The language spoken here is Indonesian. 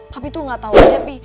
papi tuh gak tau aja bi